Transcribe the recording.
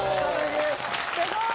すごい！